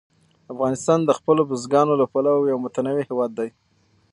افغانستان د خپلو بزګانو له پلوه یو متنوع هېواد دی.